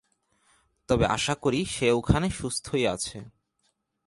তবে আশা করি সে ওখানে সুস্থই আছে।